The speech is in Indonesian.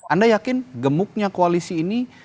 anda yakin gemuknya koalisi ini